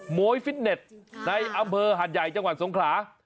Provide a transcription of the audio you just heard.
โหมยฟิตเน็ตในอำเภอหาดใหญ่จังหวัดสงขราจริงค่ะ